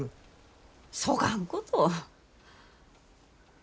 そがんこと。